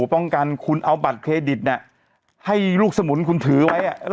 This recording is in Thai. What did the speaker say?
ป้องกันคุณเอาบัตรเครดิตให้ลูกสมุนคุณถือไว้